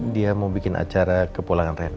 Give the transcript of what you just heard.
dia mau bikin acara ke pulangan rena